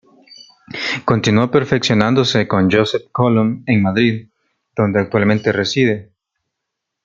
Continuó perfeccionándose con Josep Colom en Madrid, donde actualmente reside.